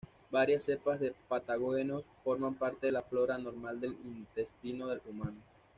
Varias cepas no patógenos forman parte de la flora normal del intestino del humano.